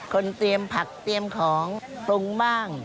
เตรียมผักเตรียมของปรุงบ้าง